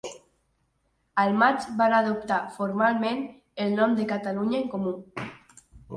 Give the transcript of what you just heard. Al maig van adoptar formalment el nom de Catalunya en Comú.